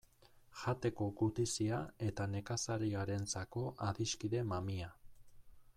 Jateko gutizia eta nekazariarentzako adiskide mamia.